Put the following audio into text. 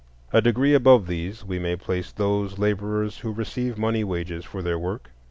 A degree above these we may place those laborers who receive money wages for their work.